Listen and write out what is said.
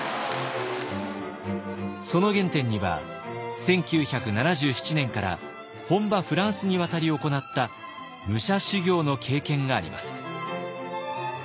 その原点には１９７７年から本場フランスに渡り行った武者修行の経験があります。